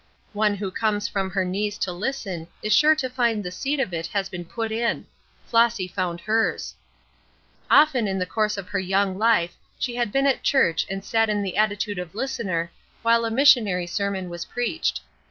One who comes from her knees to listen is sure to find the seed if it has been put in. Flossy found hers. Often in the course of her young life she had been at church and sat in the attitude of listener while a missionary sermon was preached.